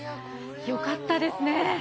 よかったですね。